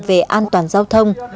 về an toàn giao thông